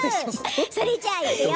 それじゃあ、いくよ。